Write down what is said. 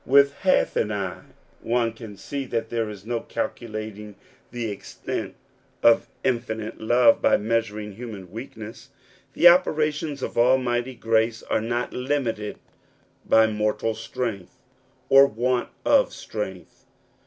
With half an eye one can see that there is no calculating the extent of infinite love by measuring human weakness. The operations of almighty grace are not limited by mortal strength^ or want of strength.